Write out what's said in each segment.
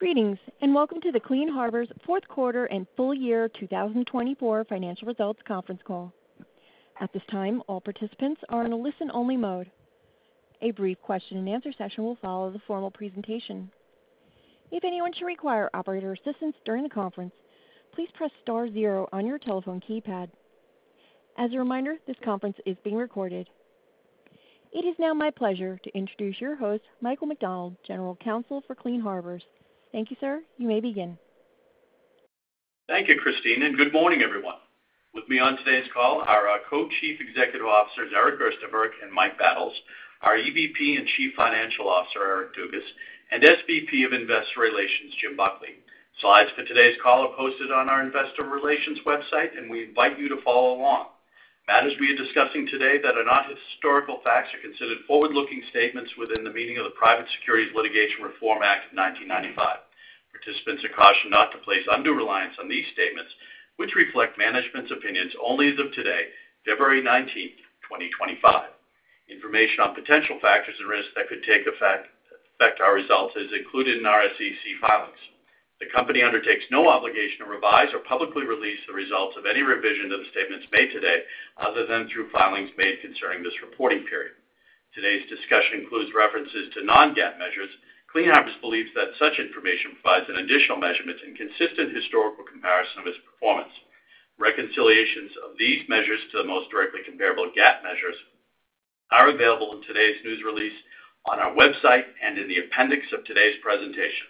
Greetings, and welcome to the Clean Harbors fourth quarter and full year 2024 financial results conference call. At this time, all participants are in a listen-only mode. A brief question and answer session will follow the formal presentation. If anyone should require operator assistance during the conference, please press star zero on your telephone keypad. As a reminder, this conference is being recorded. It is now my pleasure to introduce your host, Michael McDonald, General Counsel for Clean Harbors. Thank you, sir. You may begin. Thank you, Christine, and good morning, everyone. With me on today's call are our Co-Chief Executive Officers, Eric Gerstenberg and Mike Battles, our EVP and Chief Financial Officer, Eric Dugas, and SVP of Investor Relations, Jim Buckley. Slides for today's call are posted on our Investor Relations website, and we invite you to follow along. Matters, as we are discussing today, that are not historical facts are considered forward-looking statements within the meaning of the Private Securities Litigation Reform Act of 1995. Participants are cautioned not to place undue reliance on these statements, which reflect management's opinions only as of today, February 19th, 2025. Information on potential factors and risks that could affect our results is included in our SEC filings. The company undertakes no obligation to revise or publicly release the results of any revision to the statements made today other than through filings made concerning this reporting period. Today's discussion includes references to non-GAAP measures. Clean Harbors believes that such information provides an additional measurement and consistent historical comparison of its performance. Reconciliations of these measures to the most directly comparable GAAP measures are available in today's news release on our website and in the appendix of today's presentation.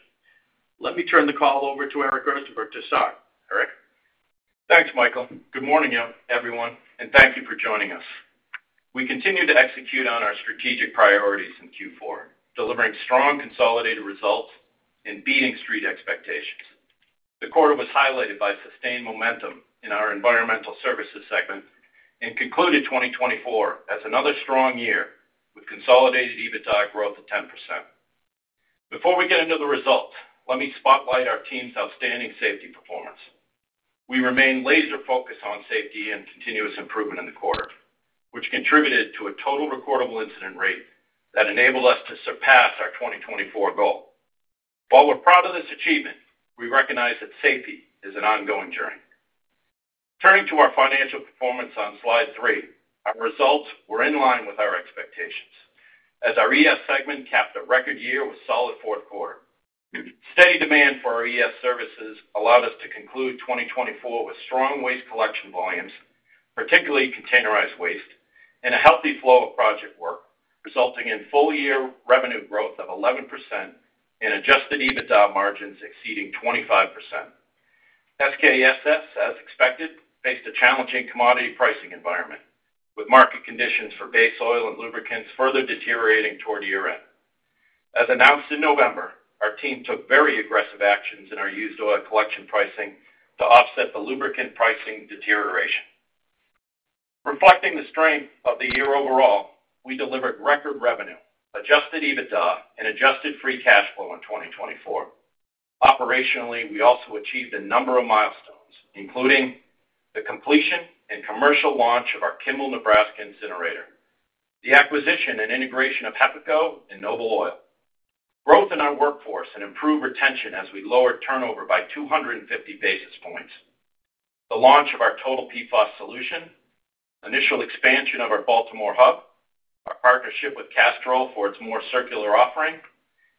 Let me turn the call over to Eric Gerstenberg to start. Eric? Thanks, Michael. Good morning, everyone, and thank you for joining us. We continue to execute on our strategic priorities in Q4, delivering strong consolidated results and beating Street expectations. The quarter was highlighted by sustained momentum in our environmental services segment and concluded 2024 as another strong year with consolidated EBITDA growth of 10%. Before we get into the results, let me spotlight our team's outstanding safety performance. We remain laser-focused on safety and continuous improvement in the quarter, which contributed to a total recordable incident rate that enabled us to surpass our 2024 goal. While we're proud of this achievement, we recognize that safety is an ongoing journey. Turning to our financial performance on Slide 3, our results were in line with our expectations as our ES segment capped a record year with solid fourth quarter. Steady demand for our ES services allowed us to conclude 2024 with strong waste collection volumes, particularly containerized waste, and a healthy flow of project work, resulting in full-year revenue growth of 11% and adjusted EBITDA margins exceeding 25%. SKSS, as expected, faced a challenging commodity pricing environment with market conditions for base oil and lubricants further deteriorating toward year-end. As announced in November, our team took very aggressive actions in our used oil collection pricing to offset the lubricant pricing deterioration. Reflecting the strength of the year overall, we delivered record revenue, adjusted EBITDA, and adjusted free cash flow in 2024. Operationally, we also achieved a number of milestones, including the completion and commercial launch of our Kimball Nebraska incinerator, the acquisition and integration of HEPACO and Noble Oil, growth in our workforce, and improved retention as we lowered turnover by 250 basis points, the launch of our Total PFAS Solution, initial expansion of our Baltimore hub, our partnership with Castrol for its more circular offering,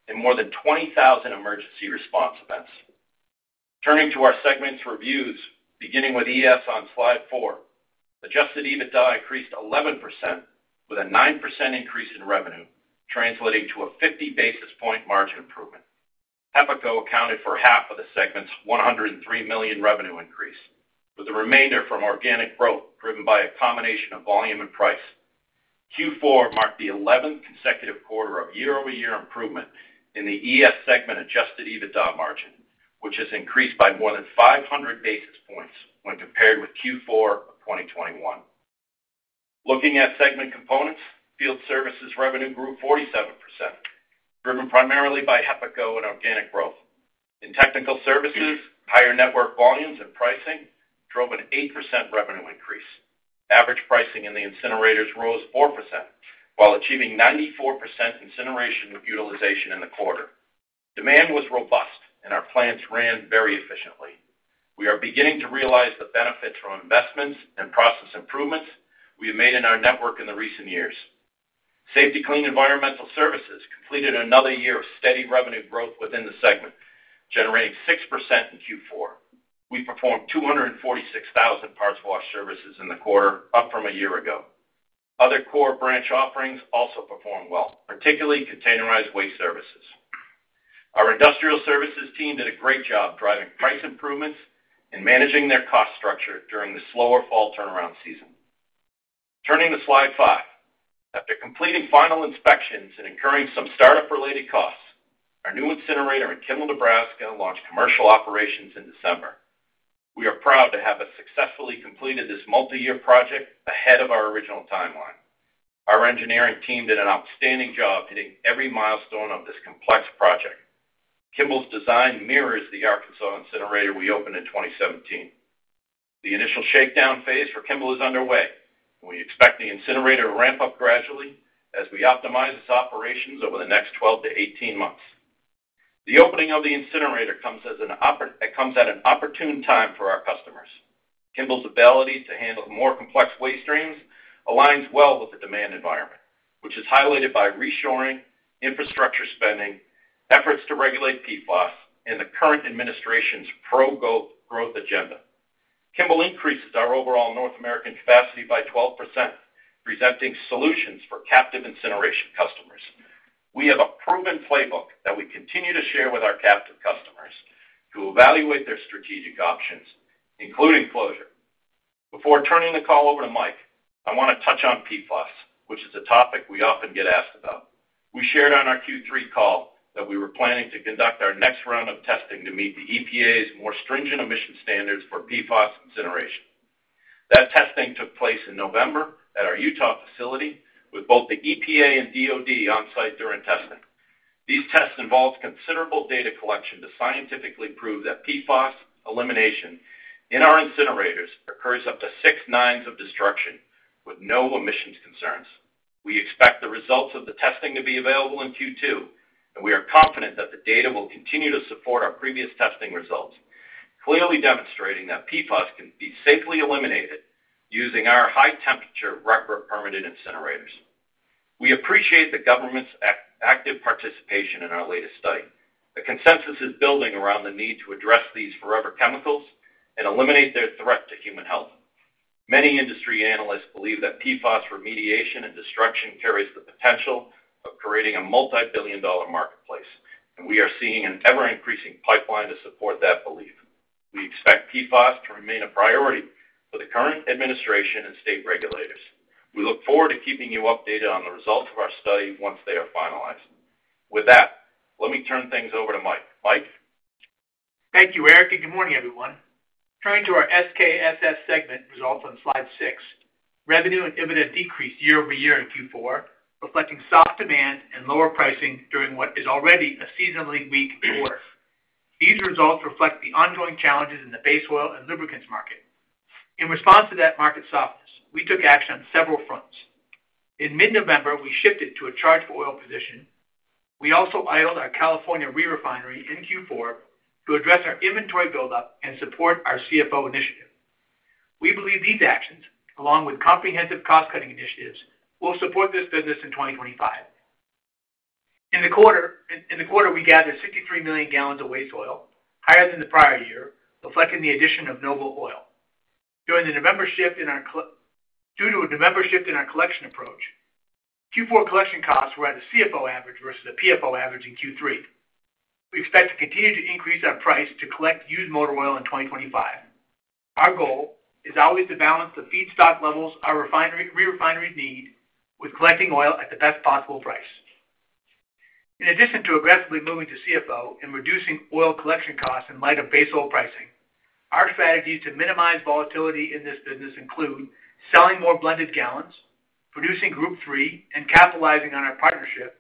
and more than 20,000 emergency response events. Turning to our segment's reviews, beginning with ES on Slide 4, adjusted EBITDA increased 11% with a 9% increase in revenue, translating to a 50 basis point margin improvement. HEPACO accounted for half of the segment's $103 million revenue increase, with the remainder from organic growth driven by a combination of volume and price. Q4 marked the 11th consecutive quarter of year-over-year improvement in the ES segment adjusted EBITDA margin, which has increased by more than 500 basis points when compared with Q4 of 2021. Looking at segment components, field services revenue grew 47%, driven primarily by HEPACO and organic growth. In technical services, higher network volumes and pricing drove an 8% revenue increase. Average pricing in the incinerators rose 4% while achieving 94% incineration utilization in the quarter. Demand was robust, and our plants ran very efficiently. We are beginning to realize the benefits from investments and process improvements we have made in our network in the recent years. Safety-Kleen Environmental Services completed another year of steady revenue growth within the segment, generating 6% in Q4. We performed 246,000 parts wash services in the quarter, up from a year ago. Other core branch offerings also performed well, particularly containerized waste services. Our industrial services team did a great job driving price improvements and managing their cost structure during the slower fall turnaround season. Turning to Slide 5, after completing final inspections and incurring some startup-related costs, our new incinerator in Kimball, Nebraska, launched commercial operations in December. We are proud to have successfully completed this multi-year project ahead of our original timeline. Our engineering team did an outstanding job hitting every milestone of this complex project. Kimball's design mirrors the Arkansas incinerator we opened in 2017. The initial shakedown phase for Kimball is underway, and we expect the incinerator to ramp up gradually as we optimize its operations over the next 12-18 months. The opening of the incinerator comes at an opportune time for our customers. Kimball's ability to handle more complex waste streams aligns well with the demand environment, which is highlighted by reshoring, infrastructure spending, efforts to regulate PFAS, and the current administration's pro-growth agenda. Kimball increases our overall North American capacity by 12%, presenting solutions for captive incineration customers. We have a proven playbook that we continue to share with our captive customers to evaluate their strategic options, including closure. Before turning the call over to Mike, I want to touch on PFAS, which is a topic we often get asked about. We shared on our Q3 call that we were planning to conduct our next round of testing to meet the EPA's more stringent emission standards for PFAS incineration. That testing took place in November at our Utah facility with both the EPA and DOD on site during testing. These tests involved considerable data collection to scientifically prove that PFAS elimination in our incinerators occurs up to six nines of destruction with no emissions concerns. We expect the results of the testing to be available in Q2, and we are confident that the data will continue to support our previous testing results, clearly demonstrating that PFAS can be safely eliminated using our high-temperature record-permitted incinerators. We appreciate the government's active participation in our latest study. The consensus is building around the need to address these forever chemicals and eliminate their threat to human health. Many industry analysts believe that PFAS remediation and destruction carries the potential of creating a multi-billion-dollar marketplace, and we are seeing an ever-increasing pipeline to support that belief. We expect PFAS to remain a priority for the current administration and state regulators. We look forward to keeping you updated on the results of our study once they are finalized. With that, let me turn things over to Mike. Mike. Thank you, Eric, and good morning, everyone. Turning to our SKSS segment results on slide six, revenue and EBITDA decreased year-over-year in Q4, reflecting soft demand and lower pricing during what is already a seasonally weak quarter. These results reflect the ongoing challenges in the base oil and lubricants market. In response to that market softness, we took action on several fronts. In mid-November, we shifted to a charge-for-oil position. We also idled our California re-refinery in Q4 to address our inventory buildup and support our CFO initiative. We believe these actions, along with comprehensive cost-cutting initiatives, will support this business in 2025. In the quarter, we gathered 63 million gallons of waste oil, higher than the prior year, reflecting the addition of Noble Oil. During the November shift in our collection approach, Q4 collection costs were at a CFO average versus a PFO average in Q3. We expect to continue to increase our price to collect used motor oil in 2025. Our goal is always to balance the feedstock levels our refineries need with collecting oil at the best possible price. In addition to aggressively moving to CFO and reducing oil collection costs in light of base oil pricing, our strategies to minimize volatility in this business include selling more blended gallons, producing Group III, and capitalizing on our partnerships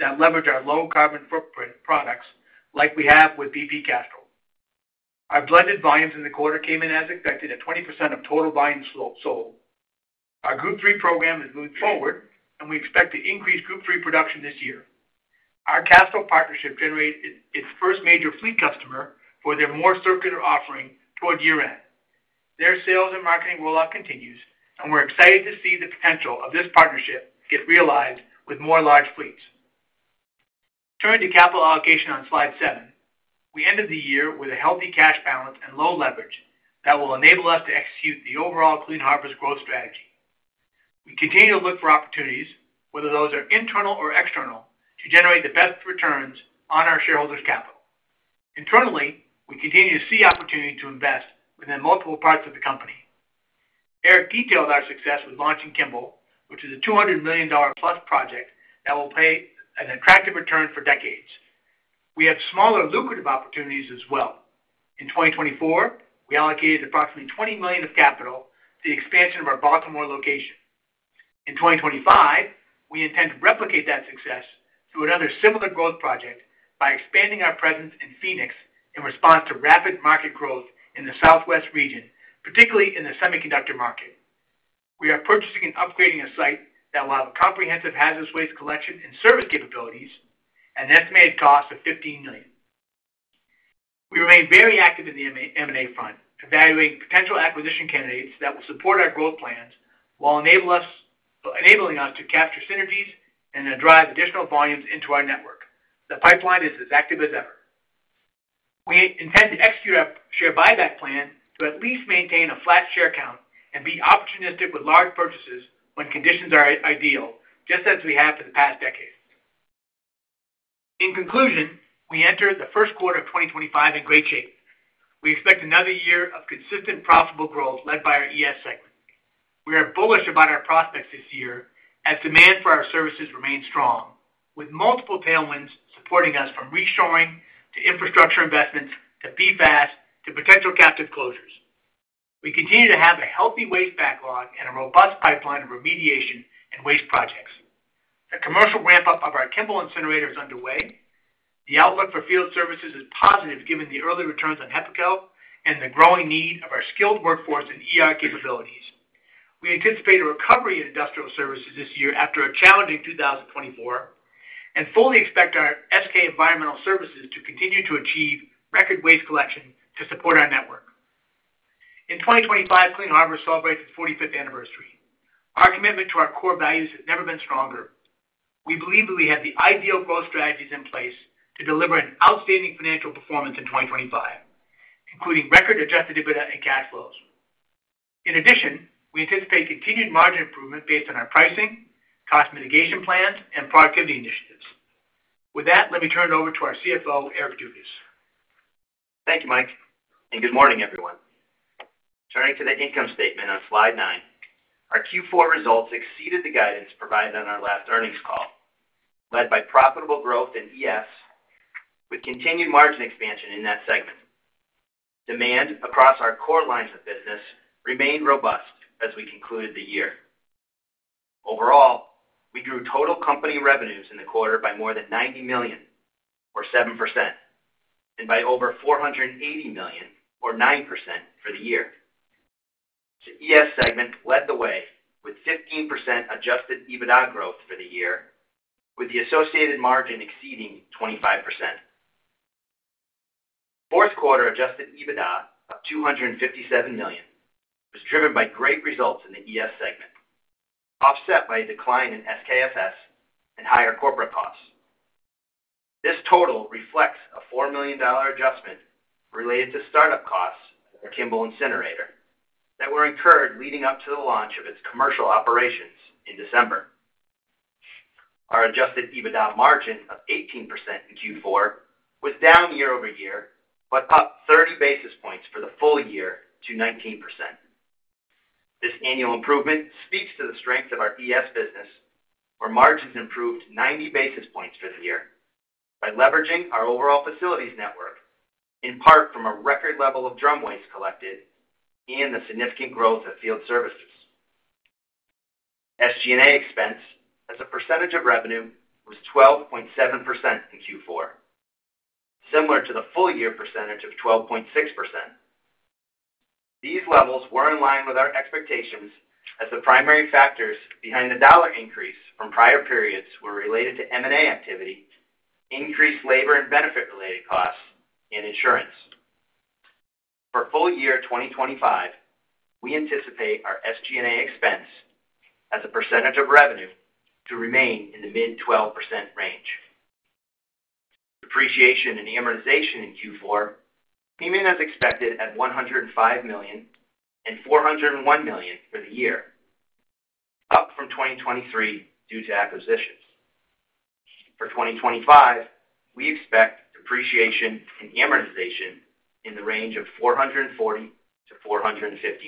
that leverage our low-carbon footprint products like we have with BP Castrol. Our blended volumes in the quarter came in, as expected, at 20% of total volume sold. Our Group III program has moved forward, and we expect to increase Group III production this year. Our Castrol partnership generated its first major fleet customer for their more circular offering toward year-end. Their sales and marketing rollout continues, and we're excited to see the potential of this partnership get realized with more large fleets. Turning to capital allocation on slide seven, we ended the year with a healthy cash balance and low leverage that will enable us to execute the overall Clean Harbors growth strategy. We continue to look for opportunities, whether those are internal or external, to generate the best returns on our shareholders' capital. Internally, we continue to see opportunity to invest within multiple parts of the company. Eric detailed our success with launching Kimball, which is a $200+ million project that will pay an attractive return for decades. We have smaller lucrative opportunities as well. In 2024, we allocated approximately $20 million of capital to the expansion of our Baltimore location. In 2025, we intend to replicate that success through another similar growth project by expanding our presence in Phoenix in response to rapid market growth in the southwest region, particularly in the semiconductor market. We are purchasing and upgrading a site that will have a comprehensive hazardous waste collection and service capabilities at an estimated cost of $15 million. We remain very active in the M&A front, evaluating potential acquisition candidates that will support our growth plans while enabling us to capture synergies and drive additional volumes into our network. The pipeline is as active as ever. We intend to execute our share buyback plan to at least maintain a flat share count and be opportunistic with large purchases when conditions are ideal, just as we have for the past decade. In conclusion, we entered the first quarter of 2025 in great shape. We expect another year of consistent profitable growth led by our ES segment. We are bullish about our prospects this year as demand for our services remains strong, with multiple tailwinds supporting us from reshoring to infrastructure investments to PFAS to potential captive closures. We continue to have a healthy waste backlog and a robust pipeline of remediation and waste projects. The commercial ramp-up of our Kimball incinerator is underway. The outlook for field services is positive given the early returns on HEPACO and the growing need of our skilled workforce and capabilities. We anticipate a recovery in industrial services this year after a challenging 2024 and fully expect our SK Environmental Services to continue to achieve record waste collection to support our network. In 2025, Clean Harbors celebrates its 45th anniversary. Our commitment to our core values has never been stronger. We believe that we have the ideal growth strategies in place to deliver an outstanding financial performance in 2025, including record-adjusted EBITDA and cash flows. In addition, we anticipate continued margin improvement based on our pricing, cost mitigation plans, and productivity initiatives. With that, let me turn it over to our CFO, Eric Dugas. Thank you, Mike, and good morning, everyone. Turning to the income statement on Slide 9, our Q4 results exceeded the guidance provided on our last earnings call, led by profitable growth in ES with continued margin expansion in that segment. Demand across our core lines of business remained robust as we concluded the year. Overall, we grew total company revenues in the quarter by more than $90 million, or 7%, and by over $480 million, or 9%, for the year. The ES segment led the way with 15% adjusted EBITDA growth for the year, with the associated margin exceeding 25%. Fourth quarter adjusted EBITDA of $257 million was driven by great results in the ES segment, offset by a decline in SKSS and higher corporate costs. This total reflects a $4 million adjustment related to startup costs at our Kimball incinerator that were incurred leading up to the launch of its commercial operations in December. Our adjusted EBITDA margin of 18% in Q4 was down year-over-year but up 30 basis points for the full year to 19%. This annual improvement speaks to the strength of our ES business, where margins improved 90 basis points for the year by leveraging our overall facilities network, in part from a record level of drum waste collected and the significant growth of field services. SG&A expense, as a percentage of revenue, was 12.7% in Q4, similar to the full-year percentage of 12.6%. These levels were in line with our expectations as the primary factors behind the dollar increase from prior periods were related to M&A activity, increased labor and benefit-related costs, and insurance. For full year 2025, we anticipate our SG&A expense as a percentage of revenue to remain in the mid-12% range. Depreciation and amortization in Q4 came in as expected at $105 million and $401 million for the year, up from 2023 due to acquisitions. For 2025, we expect depreciation and amortization in the range of $440 million-$450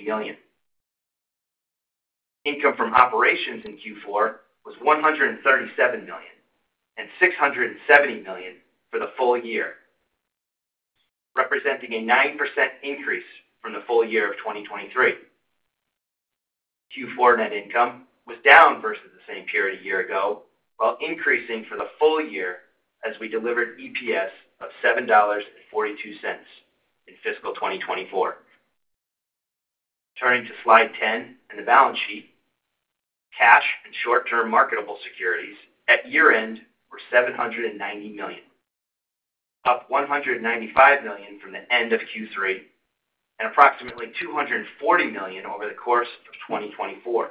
million. Income from operations in Q4 was $137 million and $670 million for the full year, representing a 9% increase from the full year of 2023. Q4 net income was down versus the same period a year ago while increasing for the full year as we delivered EPS of $7.42 in fiscal 2024. Turning to Slide 10 and the balance sheet, cash and short-term marketable securities at year-end were $790 million, up $195 million from the end of Q3 and approximately $240 million over the course of 2024.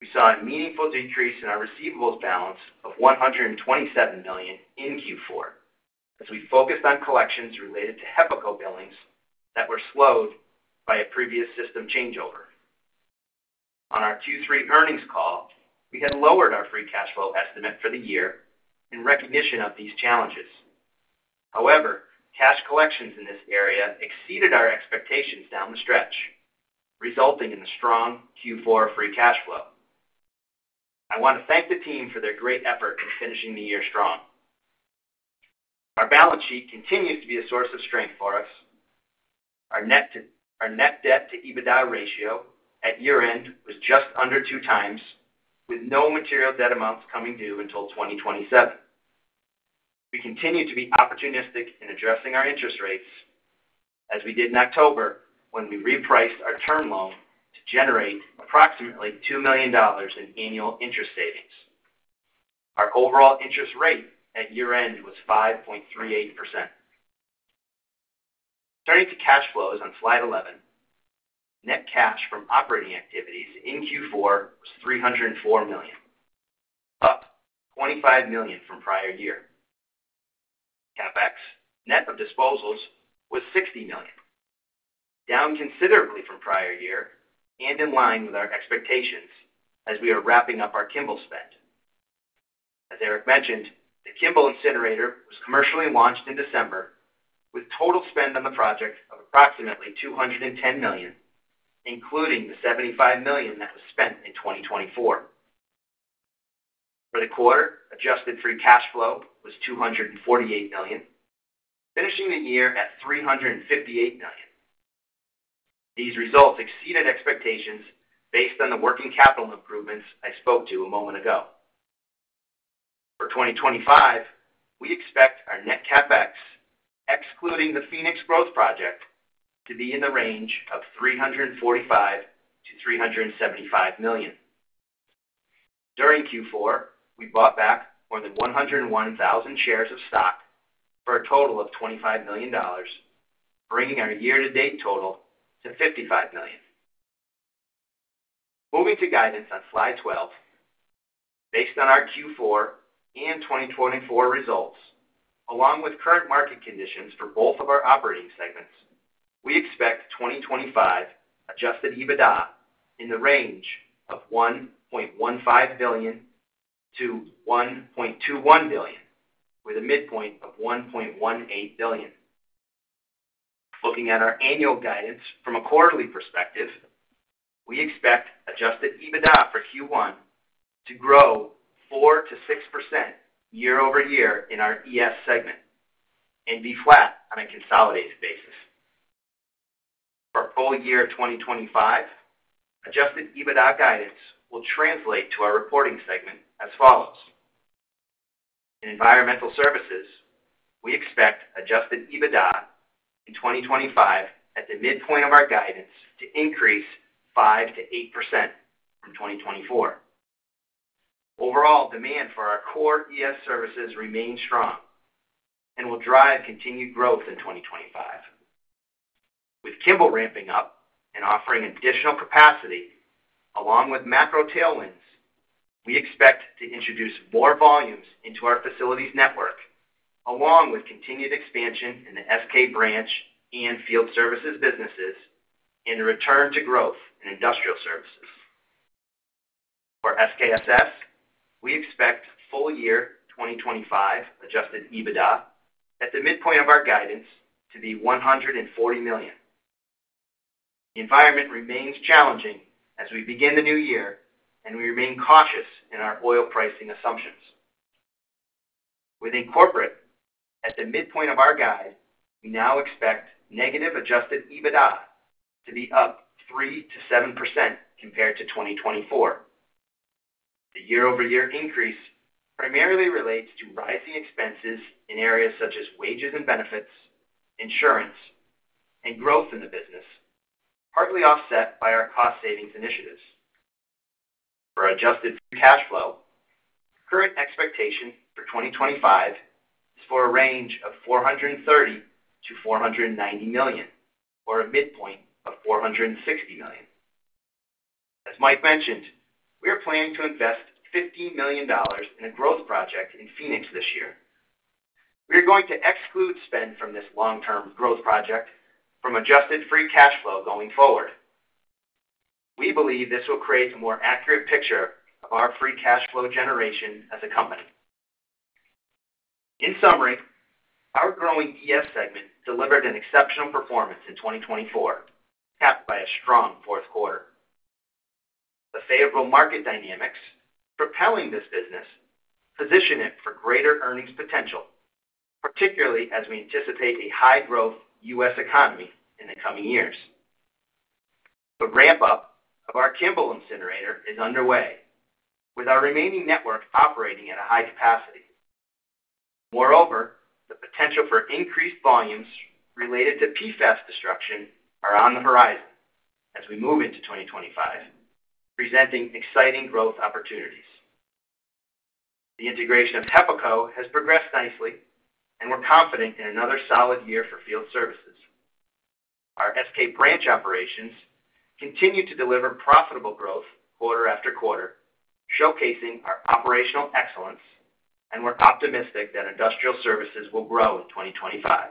We saw a meaningful decrease in our receivables balance of $127 million in Q4 as we focused on collections related to HEPACO billings that were slowed by a previous system changeover. On our Q3 earnings call, we had lowered our free cash flow estimate for the year in recognition of these challenges. However, cash collections in this area exceeded our expectations down the stretch, resulting in a strong Q4 free cash flow. I want to thank the team for their great effort in finishing the year strong. Our balance sheet continues to be a source of strength for us. Our net debt-to-EBITDA ratio at year-end was just under 2x, with no material debt amounts coming due until 2027. We continue to be opportunistic in addressing our interest rates as we did in October when we repriced our term loan to generate approximately $2 million in annual interest savings. Our overall interest rate at year-end was 5.38%. Turning to cash flows on Slide 11, net cash from operating activities in Q4 was $304 million, up $25 million from prior year. CapEx, net of disposals, was $60 million, down considerably from prior year and in line with our expectations as we are wrapping up our Kimball spend. As Eric mentioned, the Kimball incinerator was commercially launched in December with total spend on the project of approximately $210 million, including the $75 million that was spent in 2024. For the quarter, adjusted free cash flow was $248 million, finishing the year at $358 million. These results exceeded expectations based on the working capital improvements I spoke to a moment ago. For 2025, we expect our net CapEx, excluding the Phoenix growth project, to be in the range of $345 million-$375 million. During Q4, we bought back more than 101,000 shares of stock for a total of $25 million, bringing our year-to-date total to $55 million. Moving to guidance on Slide 12, based on our Q4 and 2024 results, along with current market conditions for both of our operating segments, we expect 2025 adjusted EBITDA in the range of $1.15 billion-$1.21 billion, with a midpoint of $1.18 billion. Looking at our annual guidance from a quarterly perspective, we expect adjusted EBITDA for Q1 to grow 4%-6% year-over-year in our ES segment and be flat on a consolidated basis. For full year 2025, adjusted EBITDA guidance will translate to our reporting segment as follows. In Environmental Services, we expect adjusted EBITDA in 2025 at the midpoint of our guidance to increase 5%-8% from 2024. Overall, demand for our core ES services remains strong and will drive continued growth in 2025. With Kimball ramping up and offering additional capacity along with macro tailwinds, we expect to introduce more volumes into our facilities network, along with continued expansion in the SK branch and field services businesses and a return to growth in industrial services. For SKSS, we expect full year 2025 adjusted EBITDA at the midpoint of our guidance to be $140 million. The environment remains challenging as we begin the new year, and we remain cautious in our oil pricing assumptions. Within corporate, at the midpoint of our guide, we now expect negative adjusted EBITDA to be up 3%-7% compared to 2024. The year-over-year increase primarily relates to rising expenses in areas such as wages and benefits, insurance, and growth in the business, partly offset by our cost savings initiatives. For adjusted free cash flow, current expectation for 2025 is for a range of $430 million-$490 million or a midpoint of $460 million. As Mike mentioned, we are planning to invest $15 million in a growth project in Phoenix this year. We are going to exclude spend from this long-term growth project from adjusted free cash flow going forward. We believe this will create a more accurate picture of our free cash flow generation as a company. In summary, our growing ES segment delivered an exceptional performance in 2024, capped by a strong fourth quarter. The favorable market dynamics propelling this business position it for greater earnings potential, particularly as we anticipate a high-growth U.S. economy in the coming years. The ramp-up of our Kimball incinerator is underway, with our remaining network operating at a high capacity. Moreover, the potential for increased volumes related to PFAS destruction are on the horizon as we move into 2025, presenting exciting growth opportunities. The integration of HEPACO has progressed nicely, and we're confident in another solid year for field services. Our SK branch operations continue to deliver profitable growth quarter-after-quarter, showcasing our operational excellence, and we're optimistic that industrial services will grow in 2025.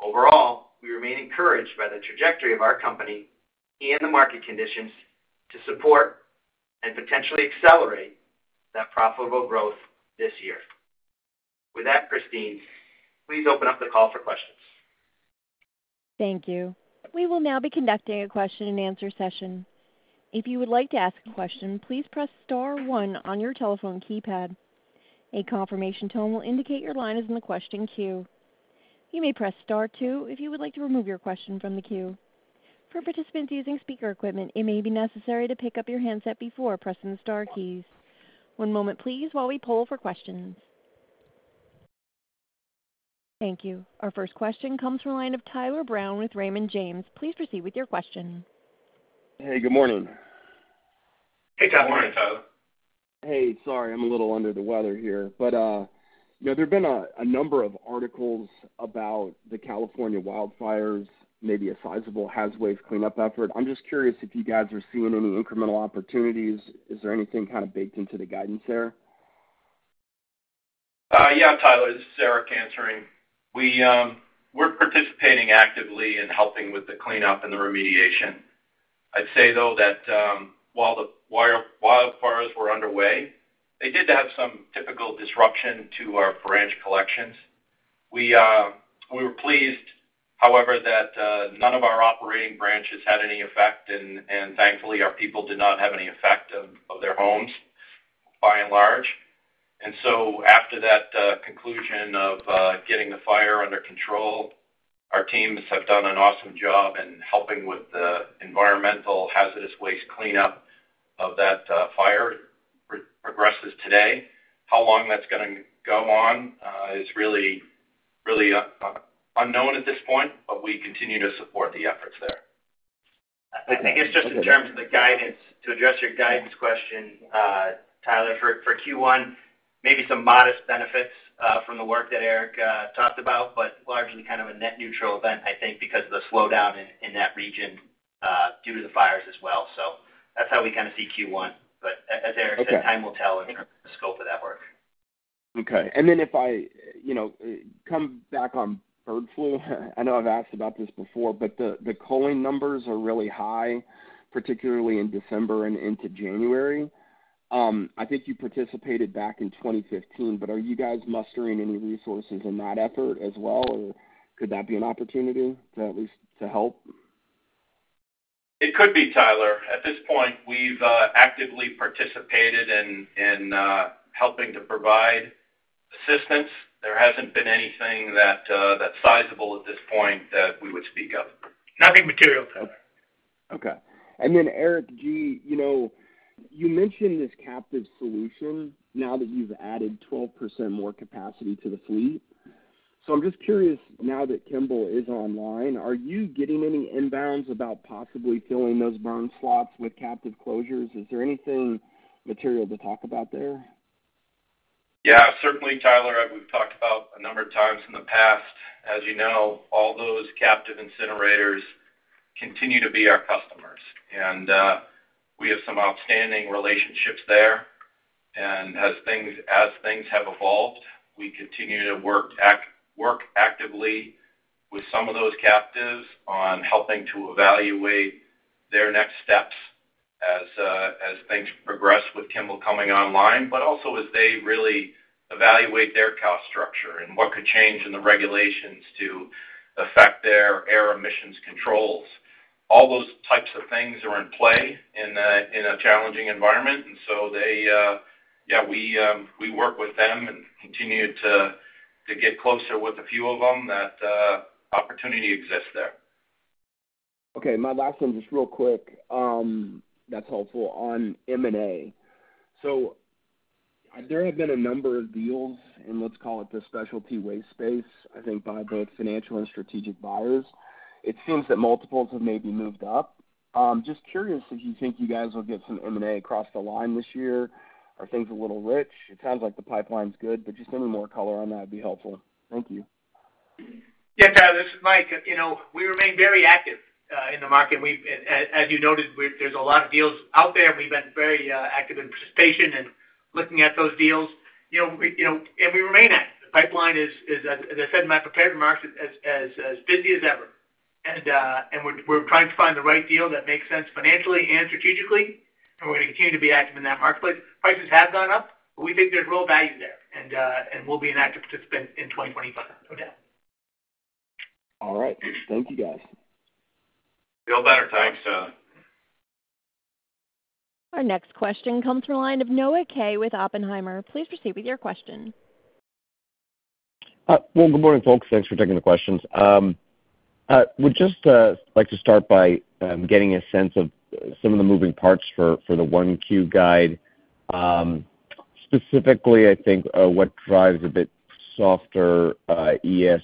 Overall, we remain encouraged by the trajectory of our company and the market conditions to support and potentially accelerate that profitable growth this year. With that, Christine, please open up the call for questions. Thank you. We will now be conducting a question and answer session. If you would like to ask a question, please press star one on your telephone keypad. A confirmation tone will indicate your line is in the question queue. You may press star two if you would like to remove your question from the queue. For participants using speaker equipment, it may be necessary to pick up your handset before pressing the star keys. One moment, please, while we pull for questions. Thank you. Our first question comes from a line of Tyler Brown with Raymond James. Please proceed with your question. Hey, good morning. Hey, good morning, Tyler. Hey, sorry. I'm a little under the weather here. But there have been a number of articles about the California wildfires, maybe a sizable hazardous waste cleanup effort. I'm just curious if you guys are seeing any incremental opportunities. Is there anything kind of baked into the guidance there? Yeah, Tyler, this is Eric answering. We're participating actively in helping with the cleanup and the remediation. I'd say, though, that while the wildfires were underway, they did have some typical disruption to our branch collections. We were pleased, however, that none of our operating branches had any effect, and thankfully, our people did not have any effect on their homes by and large, and so after that conclusion of getting the fire under control, our teams have done an awesome job in helping with the environmental hazardous waste cleanup as that fire progresses today. How long that's going to go on is really unknown at this point, but we continue to support the efforts there. I think it's just in terms of the guidance to address your guidance question, Tyler, for Q1, maybe some modest benefits from the work that Eric talked about, but largely kind of a net-neutral event, I think, because of the slowdown in that region due to the fires as well. So that's how we kind of see Q1. But as Eric said, time will tell in terms of the scope of that work. Okay. And then if I come back on bird flu, I know I've asked about this before, but the culling numbers are really high, particularly in December and into January. I think you participated back in 2015, but are you guys mustering any resources in that effort as well, or could that be an opportunity to at least help? It could be, Tyler. At this point, we've actively participated in helping to provide assistance. There hasn't been anything that sizable at this point that we would speak of. Nothing material, Tyler. Okay. And then, Eric G, you mentioned this captive solution now that you've added 12% more capacity to the fleet. So I'm just curious, now that Kimball is online, are you getting any inbounds about possibly filling those burn slots with captive closures? Is there anything material to talk about there? Yeah, certainly, Tyler. We've talked about a number of times in the past. As you know, all those captive incinerators continue to be our customers, and we have some outstanding relationships there. And as things have evolved, we continue to work actively with some of those captives on helping to evaluate their next steps as things progress with Kimball coming online, but also as they really evaluate their cost structure and what could change in the regulations to affect their air emissions controls. All those types of things are in play in a challenging environment. And so, yeah, we work with them and continue to get closer with a few of them. That opportunity exists there. Okay. My last one, just real quick. That's helpful. On M&A, so there have been a number of deals in, let's call it, the specialty waste space, I think, by both financial and strategic buyers. It seems that multiples have maybe moved up. Just curious if you think you guys will get some M&A across the line this year. Are things a little rich? It sounds like the pipeline's good, but just any more color on that would be helpful. Thank you. Yeah, Tyler, this is Mike. We remain very active in the market. As you noted, there's a lot of deals out there. We've been very active in participation and looking at those deals, and we remain active. The pipeline is, as I said in my prepared remarks, as busy as ever, and we're trying to find the right deal that makes sense financially and strategically, and we're going to continue to be active in that marketplace. Prices have gone up, but we think there's real value there, and we'll be an active participant in 2025, no doubt. All right. Thank you, guys. Feel better. Thanks. Our next question comes from a line of Noah Kaye with Oppenheimer. Please proceed with your question. Good morning, folks. Thanks for taking the questions. We'd just like to start by getting a sense of some of the moving parts for the 1Q guide. Specifically, I think what drives a bit softer ES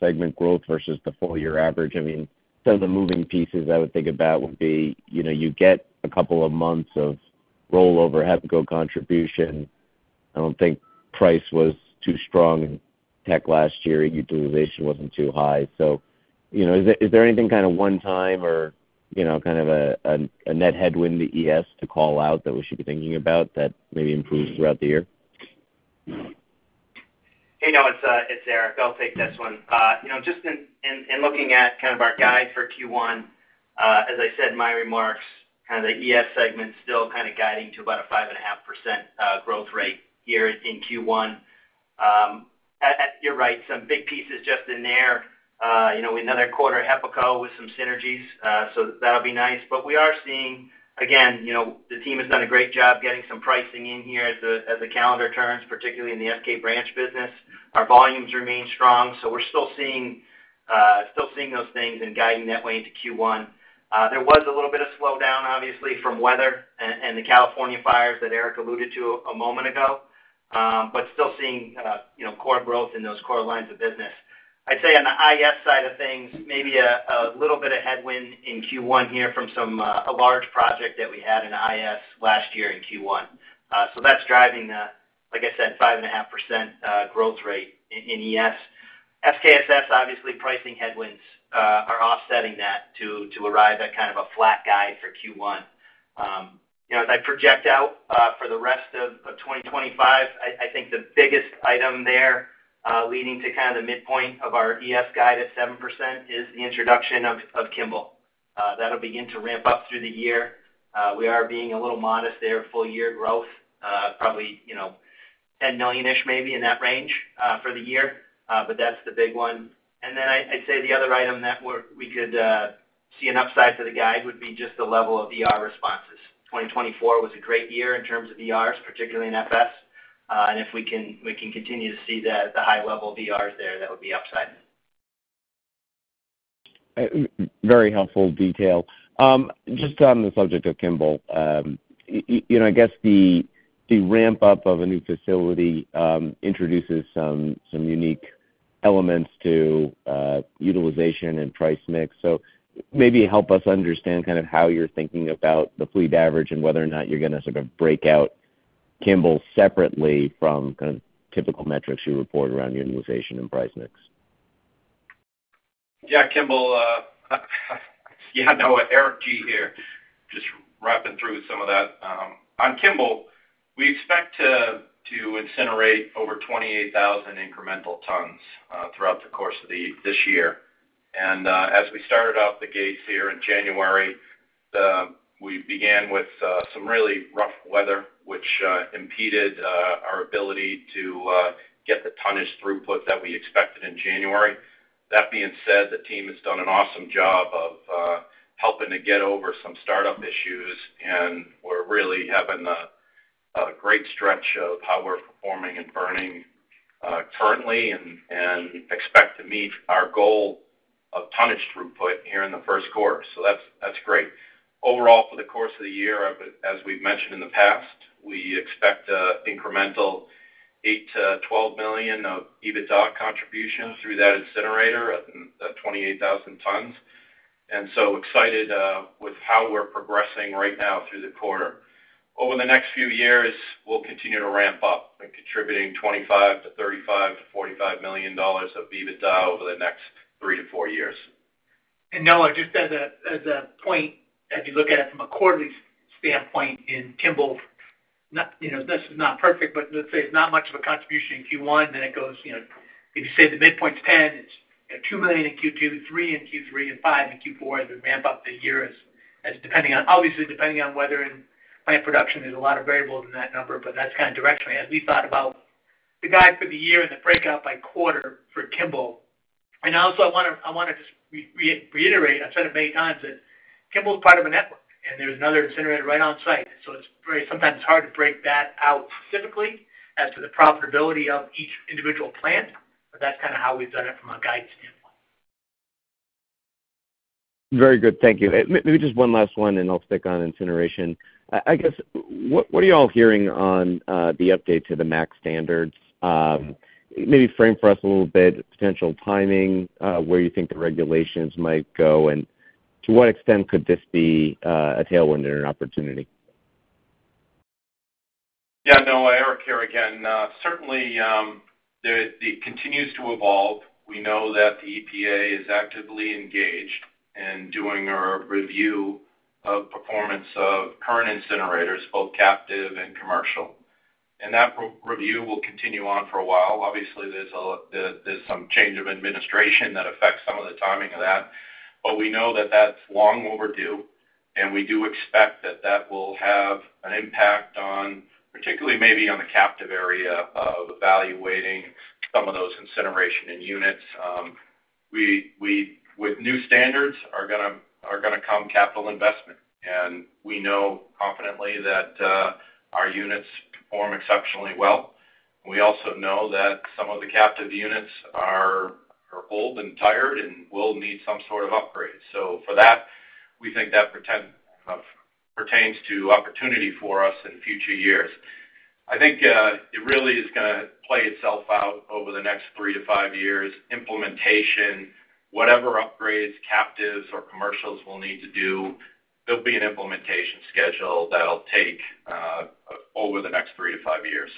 segment growth versus the full-year average. I mean, some of the moving pieces I would think about would be you get a couple of months of rollover, HEPACO contribution. I don't think price was too strong in Q4 last year. Utilization wasn't too high. So is there anything kind of one-time or kind of a net headwind to ES to call out that we should be thinking about that maybe improves throughout the year? Hey, no, it's Eric. I'll take this one. Just in looking at kind of our guide for Q1, as I said in my remarks, kind of the ES segment still kind of guiding to about a 5.5% growth rate here in Q1. You're right. Some big pieces just in there. Another quarter of HEPACO with some synergies, so that'll be nice. But we are seeing, again, the team has done a great job getting some pricing in here as the calendar turns, particularly in the SK branch business. Our volumes remain strong, so we're still seeing those things and guiding that way into Q1. There was a little bit of slowdown, obviously, from weather and the California fires that Eric alluded to a moment ago, but still seeing core growth in those core lines of business. I'd say on the IS side of things, maybe a little bit of headwind in Q1 here from a large project that we had in IS last year in Q1. So that's driving the, like I said, 5.5% growth rate in ES. SKSS, obviously, pricing headwinds are offsetting that to arrive at kind of a flat guide for Q1. As I project out for the rest of 2025, I think the biggest item there leading to kind of the midpoint of our ES guide at 7% is the introduction of Kimball. That'll begin to ramp up through the year. We are being a little modest there at full-year growth, probably $10 million-ish, maybe in that range for the year, but that's the big one. And then I'd say the other item that we could see an upside to the guide would be just the level of responses. 2024 was a great year in terms of ERs, particularly in FS, and if we can continue to see the high level of ERs there, that would be upside. Very helpful detail. Just on the subject of Kimball, I guess the ramp-up of a new facility introduces some unique elements to utilization and price mix. So maybe help us understand kind of how you're thinking about the fleet average and whether or not you're going to sort of break out Kimball separately from kind of typical metrics you report around utilization and price mix. Yeah, Kimball. Yeah, Noah, Eric G here, just running through some of that. On Kimball, we expect to incinerate over 28,000 incremental tons throughout the course of this year. And as we started out of the gates here in January, we began with some really rough weather, which impeded our ability to get the tonnage throughput that we expected in January. That being said, the team has done an awesome job of helping to get over some startup issues, and we're really having a great stretch of how we're performing and burning currently and expect to meet our goal of tonnage throughput here in the first quarter. So that's great. Overall, for the course of the year, as we've mentioned in the past, we expect incremental $8 million-$12 million of EBITDA contribution through that incinerator, 28,000 tons. And so excited with how we're progressing right now through the quarter. Over the next few years, we'll continue to ramp up and contribute $25 million-$35million-$45 million of EBITDA over the next three to four years. Noah, just as a point, if you look at it from a quarterly standpoint in Kimball, this is not perfect, but let's say it's not much of a contribution in Q1, then it goes, if you say the midpoint's $10, it's $2 million in Q2, $3 million in Q3, and $5 million in Q4, and then ramp up the year as depending on, obviously, depending on weather and plant production. There's a lot of variables in that number, but that's kind of directionally. As we thought about the guide for the year and the breakout by quarter for Kimball. Also, I want to just reiterate. I've said it many times, that Kimball is part of a network, and there's another incinerator right on site. So sometimes it's hard to break that out specifically as to the profitability of each individual plant, but that's kind of how we've done it from a guide standpoint. Very good. Thank you. Maybe just one last one, and I'll stick on incineration. I guess, what are you all hearing on the update to the MACT standards? Maybe frame for us a little bit potential timing, where you think the regulations might go, and to what extent could this be a tailwind or an opportunity? Yeah, Noah, Eric here again. Certainly, it continues to evolve. We know that the EPA is actively engaged in doing a review of performance of current incinerators, both captive and commercial. That review will continue on for a while. Obviously, there's some change of administration that affects some of the timing of that. But we know that that's long overdue, and we do expect that that will have an impact on, particularly maybe on the captive area of evaluating some of those incineration units. With new standards are going to come capital investment, and we know confidently that our units perform exceptionally well. We also know that some of the captive units are old and tired and will need some sort of upgrade. For that, we think that pertains to opportunity for us in future years. I think it really is going to play itself out over the next three-to-five years. Implementation, whatever upgrades, captives or commercials we'll need to do, there'll be an implementation schedule that'll take over the next three-to-five years.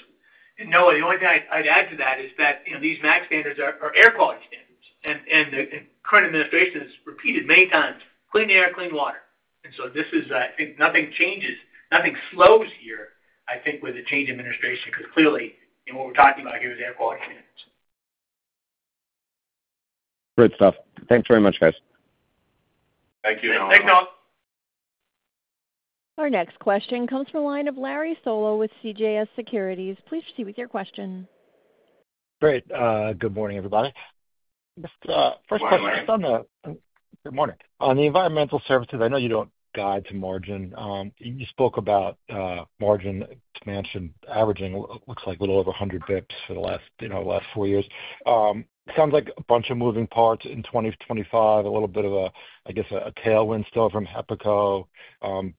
And Noah, the only thing I'd add to that is that these MACT standards are air quality standards. And the current administration has repeated many times, clean air, clean water. And so this is, I think nothing changes, nothing slows here, I think, with the change in administration because clearly what we're talking about here is air quality standards. Great stuff. Thanks very much, guys. Thank you, Noah. Thanks, Noah. Our next question comes from a line of Larry Solow with CJS Securities. Please proceed with your question. Great. Good morning, everybody. Good morning. Good morning. On the Environmental Services, I know you don't guide to margin. You spoke about margin to management averaging, looks like a little over 100 basis points for the last four years. Sounds like a bunch of moving parts in 2025, a little bit of a, I guess, a tailwind still from HEPACO,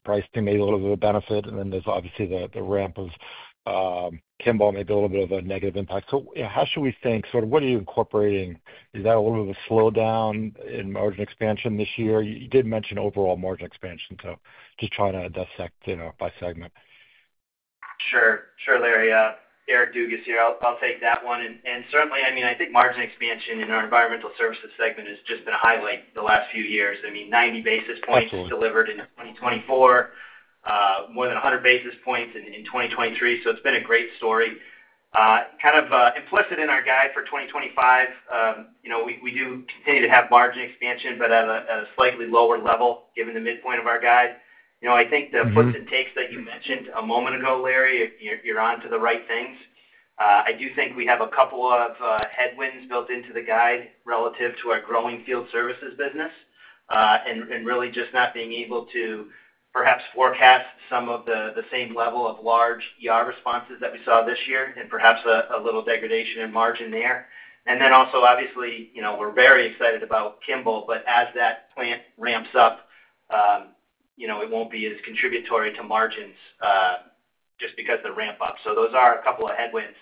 pricing maybe a little bit of a benefit, and then there's obviously the ramp of Kimball, maybe a little bit of a negative impact, so how should we think? Sort of what are you incorporating? Is that a little bit of a slowdown in margin expansion this year? You did mention overall margin expansion, so just trying to dissect by segment. Sure. Sure, Larry. Eric Dugas here. I'll take that one. And certainly, I mean, I think margin expansion in our Environmental Services segment has just been a highlight the last few years. I mean, 90 basis points delivered in 2024, more than 100 basis points in 2023. So it's been a great story. Kind of implicit in our guide for 2025, we do continue to have margin expansion, but at a slightly lower level given the midpoint of our guide. I think the puts and takes that you mentioned a moment ago, Larry, you're on to the right things. I do think we have a couple of headwinds built into the guide relative to our growing Field Services business and really just not being able to perhaps forecast some of the same level of large responses that we saw this year and perhaps a little degradation in margin there. And then also, obviously, we're very excited about Kimball, but as that plant ramps up, it won't be as contributory to margins just because of the ramp-up. So those are a couple of headwinds.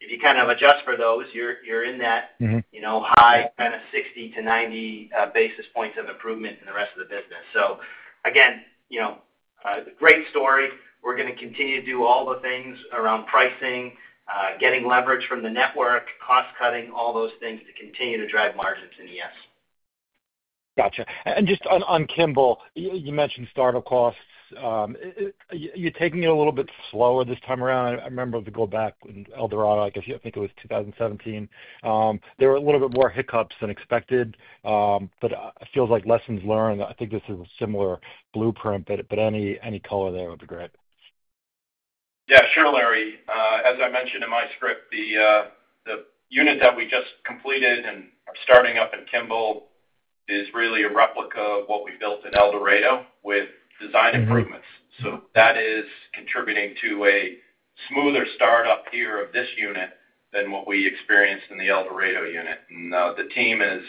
If you kind of adjust for those, you're in that high kind of 60-90 basis points of improvement in the rest of the business. So again, great story. We're going to continue to do all the things around pricing, getting leverage from the network, cost-cutting, all those things to continue to drive margins in ES. Gotcha. And just on Kimball, you mentioned startup costs. You're taking it a little bit slower this time around. I remember to go back in El Dorado, I guess I think it was 2017. There were a little bit more hiccups than expected, but it feels like lessons learned. I think this is a similar blueprint, but any color there would be great. Yeah, sure, Larry. As I mentioned in my script, the unit that we just completed and are starting up in Kimball is really a replica of what we built in El Dorado with design improvements. So that is contributing to a smoother startup here of this unit than what we experienced in the El Dorado unit, and the team is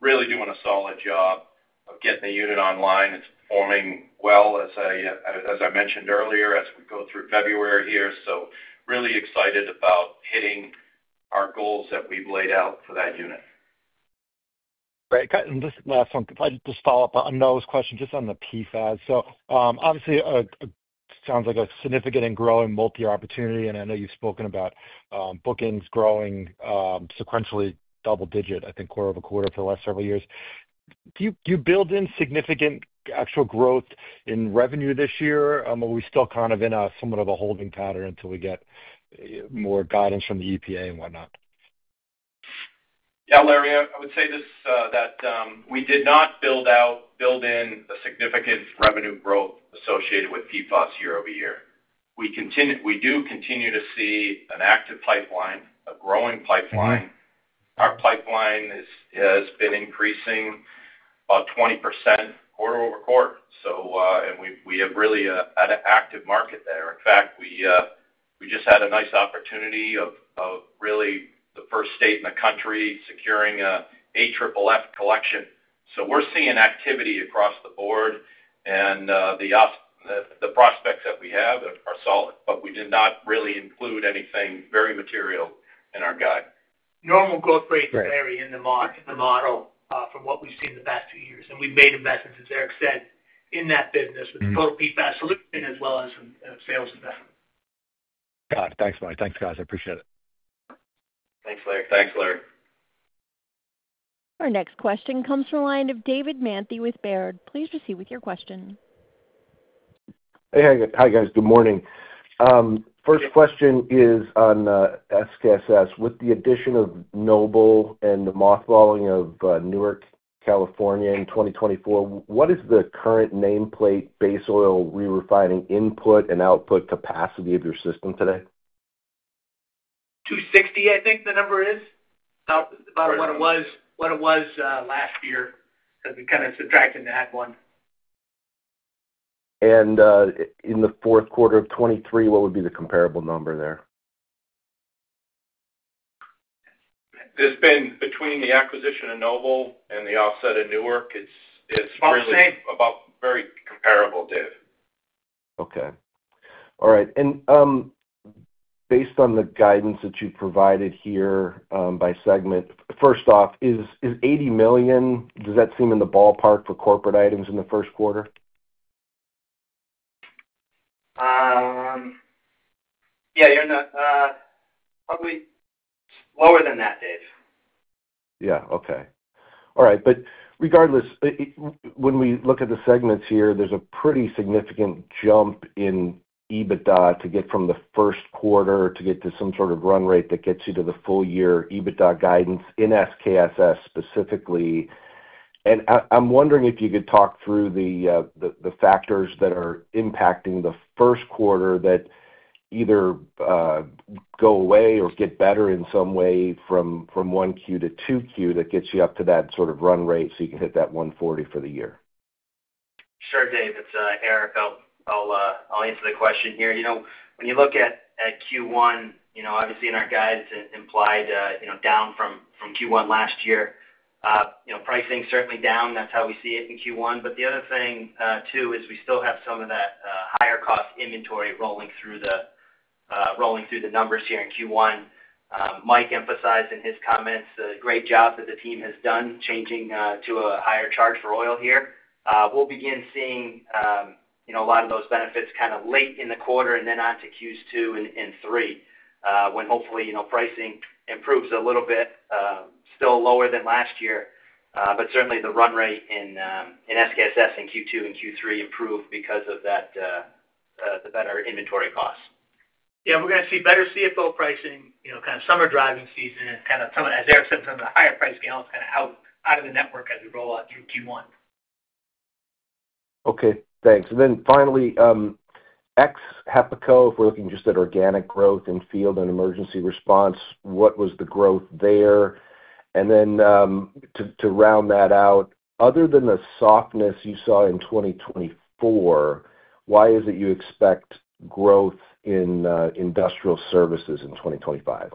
really doing a solid job of getting the unit online. It's performing well, as I mentioned earlier, as we go through February here, so really excited about hitting our goals that we've laid out for that unit. Great. And just last one, if I could just follow up on Noah's question just on the PFAS. So obviously, it sounds like a significant and growing multi-year opportunity, and I know you've spoken about bookings growing sequentially double-digit, I think quarter-over-quarter for the last several years. Do you build in significant actual growth in revenue this year, or are we still kind of in somewhat of a holding pattern until we get more guidance from the EPA and whatnot? Yeah, Larry, I would say that we did not build in a significant revenue growth associated with PFAS year-over-year. We do continue to see an active pipeline, a growing pipeline. Our pipeline has been increasing about 20% quarter-over-quarter. And we have really an active market there. In fact, we just had a nice opportunity of really the first state in the country securing an AFFF collection. So we're seeing activity across the board, and the prospects that we have are solid, but we did not really include anything very material in our guide. Normal growth rate in the model from what we've seen the past two years. And we've made investments, as Eric said, in that business with Total PFAS Solution as well as sales investment. Got it. Thanks, buddy. Thanks, guys. I appreciate it. Thanks, Larry. Our next question comes from a line of David Manthey with Baird. Please proceed with your question. Hey, hi guys. Good morning. First question is on SKSS. With the addition of Noble and the mothballing of Newark, California in 2024, what is the current nameplate base oil re-refining input and output capacity of your system today? 260. I think the number is about what it was last year because we kind of subtracted that one. In the fourth quarter of 2023, what would be the comparable number there? It's been between the acquisition of Noble and the offset of Newark. It's really about very comparable, Dave. Okay. All right. And based on the guidance that you provided here by segment, first off, is $80 million? Does that seem in the ballpark for corporate items in the first quarter? Yeah, probably lower than that, Dave. Yeah. Okay. All right. But regardless, when we look at the segments here, there's a pretty significant jump in EBITDA to get from the first quarter to get to some sort of run rate that gets you to the full-year EBITDA guidance in SKSS specifically. And I'm wondering if you could talk through the factors that are impacting the first quarter that either go away or get better in some way from 1Q to 2Q that gets you up to that sort of run rate so you can hit that 140 for the year. Sure, Dave. It's Eric. I'll answer the question here. When you look at Q1, obviously, in our guide, it's implied down from Q1 last year. Pricing certainly down. That's how we see it in Q1. But the other thing too is we still have some of that higher cost inventory rolling through the numbers here in Q1. Mike emphasized in his comments the great job that the team has done changing to a higher charge for oil here. We'll begin seeing a lot of those benefits kind of late in the quarter and then on to Q2 and Q3 when hopefully pricing improves a little bit, still lower than last year. But certainly, the run rate in SKSS in Q2 and Q3 improved because of the better inventory costs. Yeah. We're going to see better CFO pricing, kind of summer driving season, and kind of some of that, as Eric said, some of the higher price gallons kind of out of the network as we roll out through Q1. Okay. Thanks, and then finally, ex-HEPACO, if we're looking just at organic growth in field and emergency response, what was the growth there? And then to round that out, other than the softness you saw in 2024, why is it you expect growth in industrial services in 2025?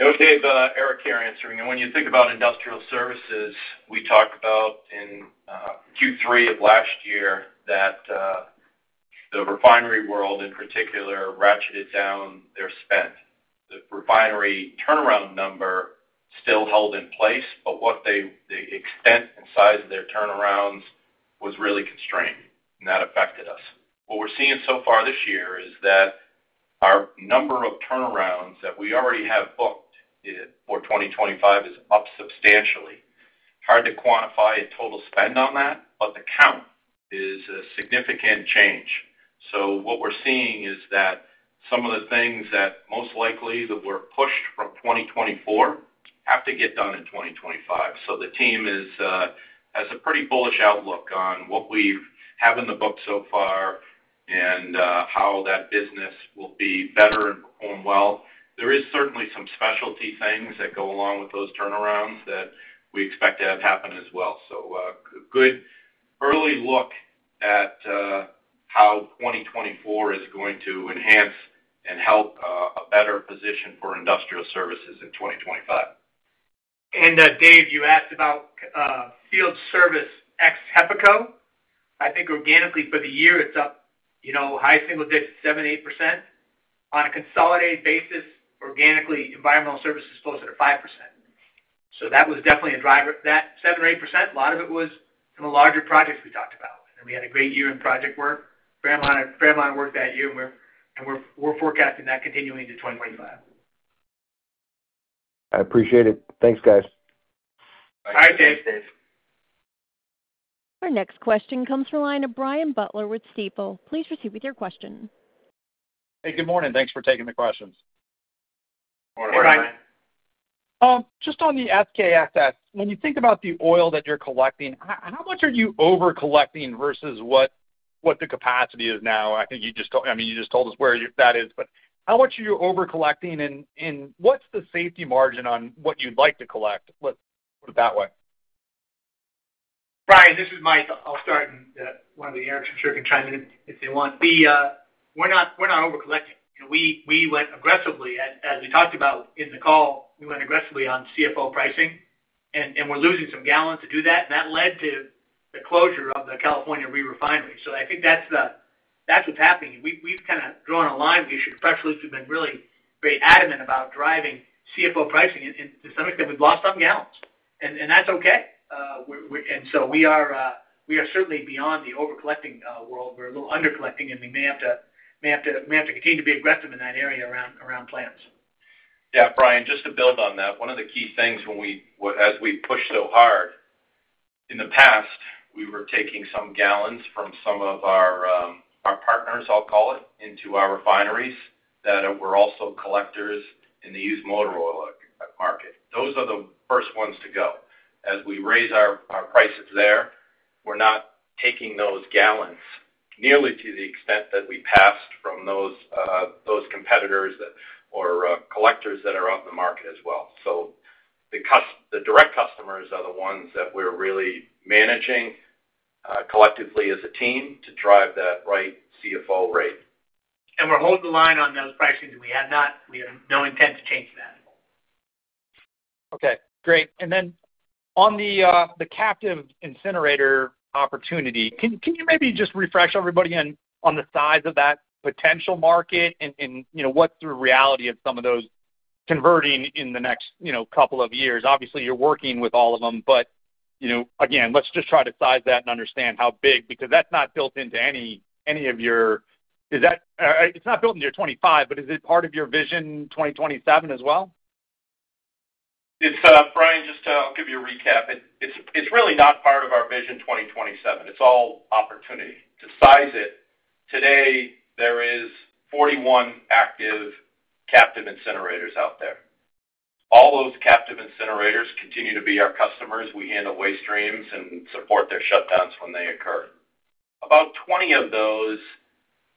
It was Dave. Eric here answering. And when you think about industrial services, we talked about in Q3 of last year that the refinery world, in particular, ratcheted down their spend. The refinery turnaround number still held in place, but the extent and size of their turnarounds was really constrained, and that affected us. What we're seeing so far this year is that our number of turnarounds that we already have booked for 2025 is up substantially. Hard to quantify total spend on that, but the count is a significant change. So what we're seeing is that some of the things that most likely that were pushed from 2024 have to get done in 2025. So the team has a pretty bullish outlook on what we have in the book so far and how that business will be better and perform well. There is certainly some specialty things that go along with those turnarounds that we expect to have happen as well. So a good early look at how 2024 is going to enhance and help a better position for industrial services in 2025. And Dave, you asked about field services ex HEPACO. I think organically for the year, it's up high single digits, 7%, 8%. On a consolidated basis, organically, environmental services closer to 5%. So that was definitely a driver. That 7% or 8%, a lot of it was from the larger projects we talked about. And we had a great year in project work, fair amount of work that year, and we're forecasting that continuing to 2025. I appreciate it. Thanks, guys. All right, Dave. Our next question comes from a line of Brian Butler with Stifel. Please proceed with your question. Hey, good morning. Thanks for taking the questions. Good morning, Brian. Just on the SKSS, when you think about the oil that you're collecting, how much are you over-collecting versus what the capacity is now? I think, I mean, you just told us where that is, but how much are you over-collecting and what's the safety margin on what you'd like to collect? Put it that way. Brian, this is Mike. I'll start in one of the Erics' trivia time if they want. We're not over-collecting. We went aggressively, as we talked about in the call, we went aggressively on CFO pricing, and we're losing some gallons to do that, and that led to the closure of the California re-refinery, so I think that's what's happening. We've kind of drawn a line we should preferably have been really very adamant about driving CFO pricing, and to some extent, we've lost some gallons, and that's okay, and so we are certainly beyond the over-collecting world. We're a little under-collecting, and we may have to continue to be aggressive in that area around plants. Yeah, Brian, just to build on that, one of the key things as we pushed so hard in the past, we were taking some gallons from some of our partners, I'll call it, into our refineries that were also collectors in the used motor oil market. Those are the first ones to go. As we raise our prices there, we're not taking those gallons nearly to the extent that we purchase from those competitors or collectors that are out in the market as well. So the direct customers are the ones that we're really managing collectively as a team to drive that right CFO rate. We're holding the line on those pricing. We have no intent to change that. Okay. Great. And then on the captive incinerator opportunity, can you maybe just refresh everybody on the size of that potential market and what's the reality of some of those converting in the next couple of years? Obviously, you're working with all of them, but again, let's just try to size that and understand how big because it's not built into your 2025, but is it part of your Vision 2027 as well? Brian, just. I'll give you a recap. It's really not part of our Vision 2027. It's all opportunity. To size it, today there is 41 active captive incinerators out there. All those captive incinerators continue to be our customers. We handle waste streams and support their shutdowns when they occur. About 20 of those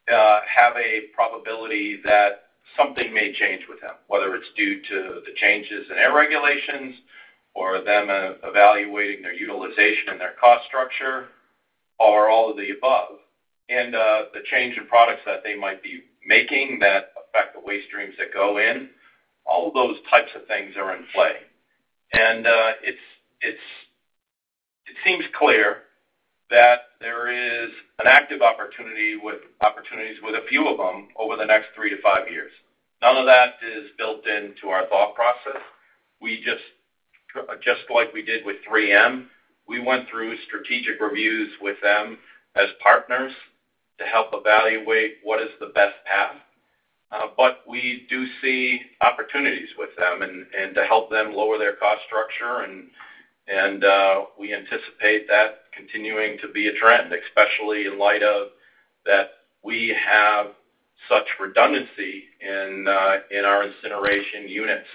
have a probability that something may change with them, whether it's due to the changes in air regulations or them evaluating their utilization and their cost structure or all of the above, and the change in products that they might be making that affect the waste streams that go in, all of those types of things are in play, and it seems clear that there is an active opportunity with a few of them over the next three to five years. None of that is built into our thought process. Just like we did with 3M, we went through strategic reviews with them as partners to help evaluate what is the best path, but we do see opportunities with them and to help them lower their cost structure, and we anticipate that continuing to be a trend, especially in light of that we have such redundancy in our incineration units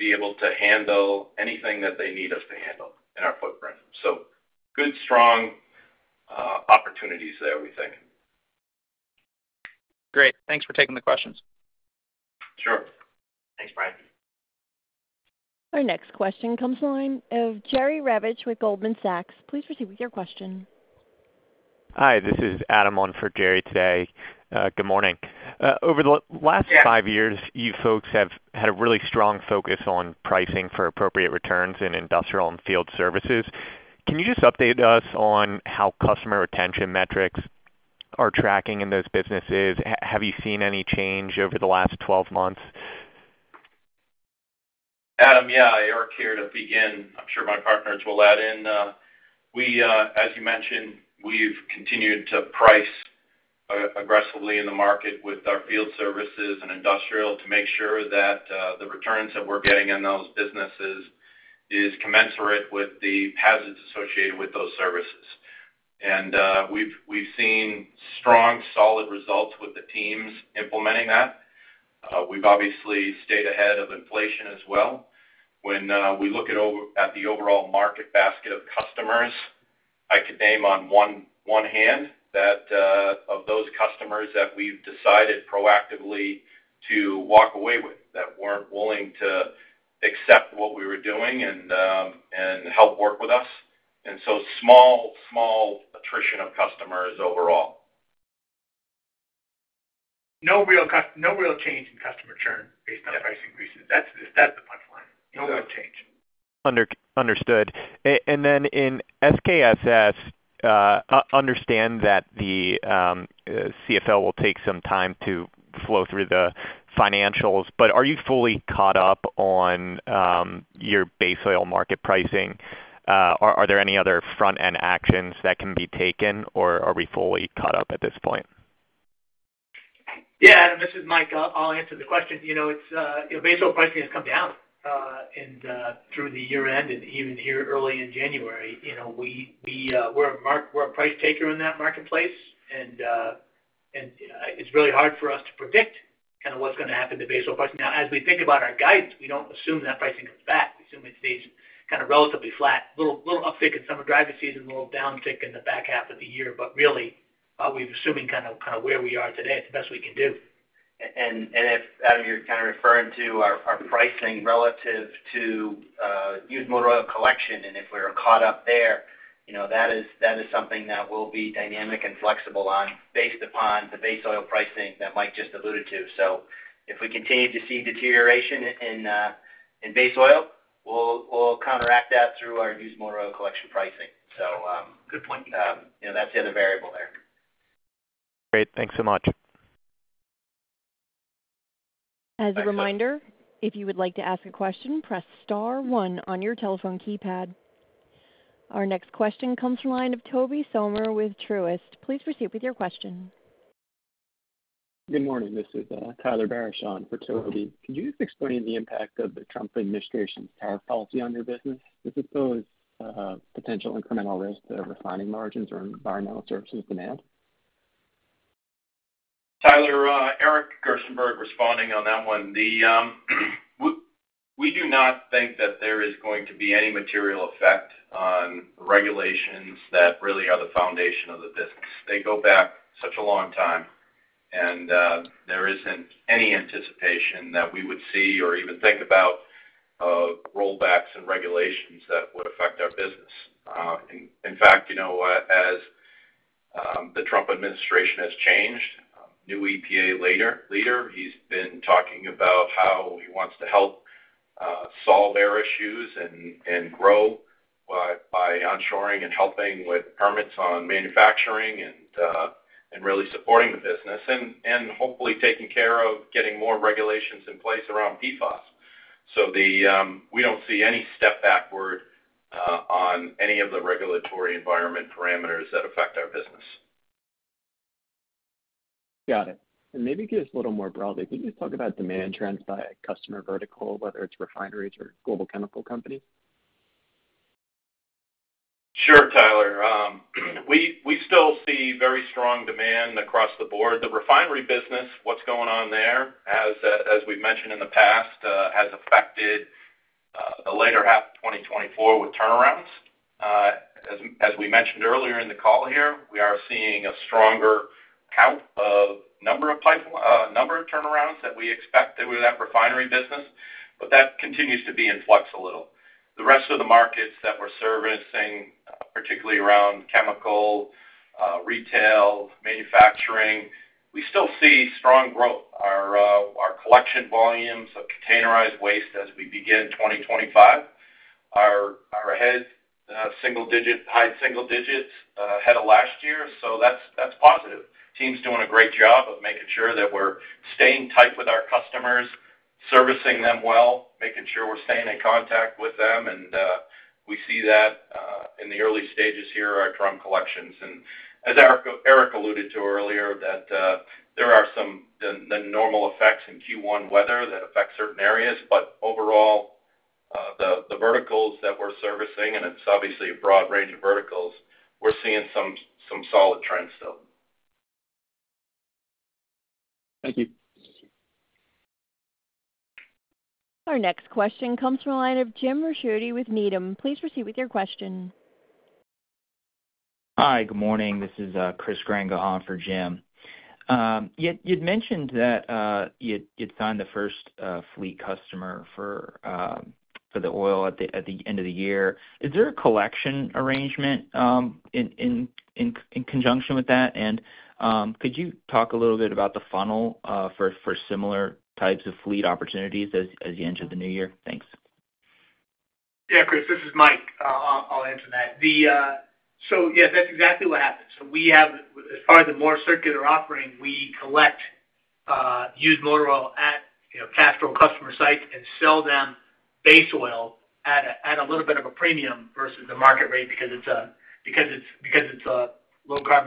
to be able to handle anything that they need us to handle in our footprint, so good, strong opportunities there, we think. Great. Thanks for taking the questions. Sure. Thanks, Brian. Our next question comes to the line of Jerry Revich with Goldman Sachs. Please proceed with your question. Hi, this is Adam on for Jerry today. Good morning. Over the last five years, you folks have had a really strong focus on pricing for appropriate returns in industrial and field services. Can you just update us on how customer retention metrics are tracking in those businesses? Have you seen any change over the last 12 months? Adam, yeah. Eric here to begin. I'm sure my partners will add in. As you mentioned, we've continued to price aggressively in the market with our field services and industrial to make sure that the returns that we're getting in those businesses are commensurate with the hazards associated with those services, and we've seen strong, solid results with the teams implementing that. We've obviously stayed ahead of inflation as well. When we look at the overall market basket of customers, I could count on one hand the number of those customers that we've decided proactively to walk away from that weren't willing to accept what we were doing and to work with us, and so small, small attrition of customers overall. No real change in customer churn based on price increases. That's the punchline. No real change. Understood. And then in SKSS, understand that the CFO will take some time to flow through the financials, but are you fully caught up on your base oil market pricing? Are there any other front-end actions that can be taken, or are we fully caught up at this point? Yeah, Adam, this is Mike. I'll answer the question. Base oil pricing has come down through the year-end and even here early in January. We're a price taker in that marketplace, and it's really hard for us to predict kind of what's going to happen to base oil pricing. Now, as we think about our guidance, we don't assume that pricing comes back. We assume it stays kind of relatively flat. A little uptick in summer driving season, a little downtick in the back half of the year, but really, we're assuming kind of where we are today is the best we can do, and if you're kind of referring to our pricing relative to used motor oil collection and if we're caught up there, that is something that we'll be dynamic and flexible on based upon the base oil pricing that Mike just alluded to. So if we continue to see deterioration in base oil, we'll counteract that through our used motor oil collection pricing. So that's the other variable there. Great. Thanks so much. As a reminder, if you would like to ask a question, press star one on your telephone keypad. Our next question comes from the line of Tobey Sommer with Truist. Please proceed with your question. Good morning. This is Tyler Barys on for Tobey. Could you explain the impact of the Trump administration's tariff policy on your business? This is both potential incremental risk to refining margins or environmental services demand. Tyler, Eric Gerstenberg responding on that one. We do not think that there is going to be any material effect on regulations that really are the foundation of the business. They go back such a long time, and there isn't any anticipation that we would see or even think about rollbacks and regulations that would affect our business. In fact, as the Trump administration has changed, new EPA leader, he's been talking about how he wants to help solve air issues and grow by onshoring and helping with permits on manufacturing and really supporting the business and hopefully taking care of getting more regulations in place around PFAS. We don't see any step backward on any of the regulatory environment parameters that affect our business. Got it. And maybe just a little more broadly, could you just talk about demand trends by customer vertical, whether it's refineries or global chemical companies? Sure, Tyler. We still see very strong demand across the board. The refinery business, what's going on there, as we've mentioned in the past, has affected the later half of 2024 with turnarounds. As we mentioned earlier in the call here, we are seeing a stronger count of number of turnarounds that we expect with that refinery business, but that continues to be in flux a little. The rest of the markets that we're servicing, particularly around chemical, retail, manufacturing, we still see strong growth. Our collection volumes of containerized waste as we begin 2025 are ahead of single digits, ahead of last year. So that's positive. Team's doing a great job of making sure that we're staying tight with our customers, servicing them well, making sure we're staying in contact with them. And we see that in the early stages here at drum collections. As Eric alluded to earlier, there are some normal effects in Q1 weather that affect certain areas, but overall, the verticals that we're servicing, and it's obviously a broad range of verticals, we're seeing some solid trends still. Thank you. Our next question comes from a line of Jim Ricchiuti with Needham. Please proceed with your question. Hi, good morning. This is Chris Grenga on for Jim. You'd mentioned that you'd signed the first fleet customer for the oil at the end of the year. Is there a collection arrangement in conjunction with that? And could you talk a little bit about the funnel for similar types of fleet opportunities as you enter the new year? Thanks. Yeah, Chris, this is Mike. I'll answer that. So yeah, that's exactly what happens. So as far as the more circular offering, we collect used motor oil at CFO customer sites and sell them base oil at a little bit of a premium versus the market rate because it's a low-carbon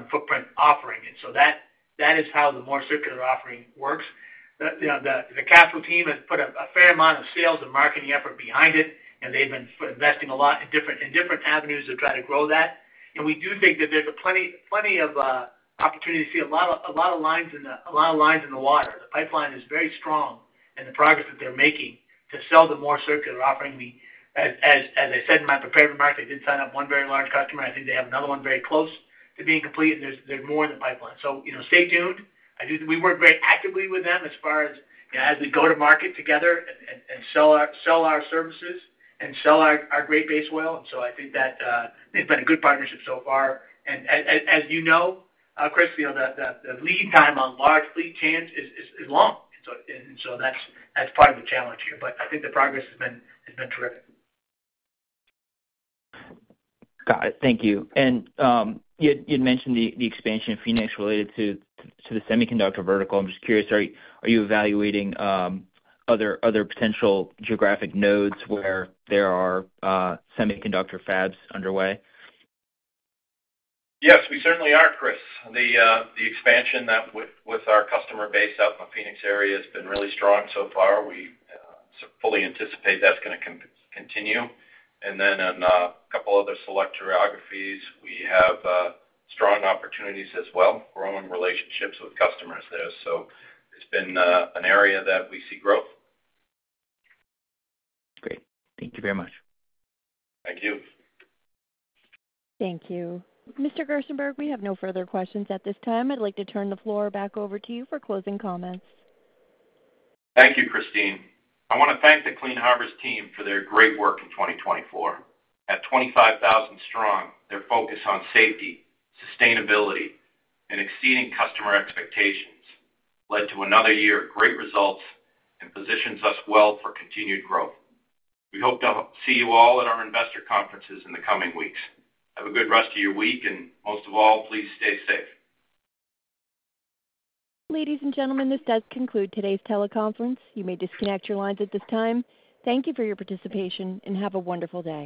footprint offering. And so that is how the more circular offering works. The commercial team has put a fair amount of sales and marketing effort behind it, and they've been investing a lot in different avenues to try to grow that. And we do think that there's plenty of opportunity to see a lot of lines in the water. The pipeline is very strong and the progress that they're making to sell the more circular offering. As I said in my prepared remarks, they did sign up one very large customer. I think they have another one very close to being complete, and there's more in the pipeline. So stay tuned. We work very actively with them as far as we go to market together and sell our services and sell our great base oil. And so I think that they've been a good partnership so far. And as you know, Chris, the lead time on large fleet change is long. And so that's part of the challenge here. But I think the progress has been terrific. Got it. Thank you. And you'd mentioned the expansion of Phoenix related to the semiconductor vertical. I'm just curious, are you evaluating other potential geographic nodes where there are semiconductor fabs underway? Yes, we certainly are, Chris. The expansion with our customer base out in the Phoenix area has been really strong so far. We fully anticipate that's going to continue. And then a couple of other select geographies, we have strong opportunities as well, growing relationships with customers there. So it's been an area that we see growth. Great. Thank you very much. Thank you. Thank you. Mr. Gerstenberg, we have no further questions at this time. I'd like to turn the floor back over to you for closing comments. Thank you, Christine. I want to thank the Clean Harbors team for their great work in 2024. At 25,000 strong, their focus on safety, sustainability, and exceeding customer expectations led to another year of great results and positions us well for continued growth. We hope to see you all at our investor conferences in the coming weeks. Have a good rest of your week, and most of all, please stay safe. Ladies and gentlemen, this does conclude today's teleconference. You may disconnect your lines at this time. Thank you for your participation, and have a wonderful day.